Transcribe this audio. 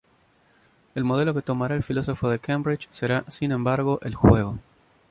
El modelo que tomará el filósofo de Cambridge será sin embargo el juego.